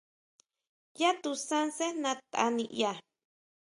Yá tusan sejna tʼa niʼya.